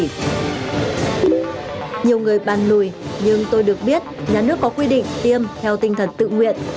nhiều người bàn lùi nhưng tôi được biết nhà nước có quy định tiêm theo tinh thần tự nguyện